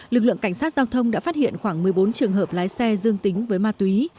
lực lượng cảnh sát giao thông đã phát hiện khoảng một mươi bốn trường hợp lái xe dương tính với ma túy